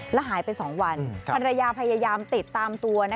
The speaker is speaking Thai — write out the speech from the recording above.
แล้วหายไป๒วันภรรยาพยายามติดตามตัว